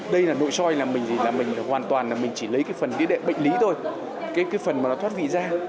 đây là nội soi là mình hoàn toàn là mình chỉ lấy cái phần đi đệm bệnh lý thôi cái phần mà nó thoát vị ra